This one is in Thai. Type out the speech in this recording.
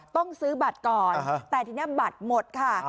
ต้องซื้อบัตรก่อนแต่ทีนี้บัตรหมดค่ะ